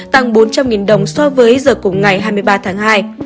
tăng bốn trăm linh đồng so với giờ cùng ngày hai mươi ba tháng hai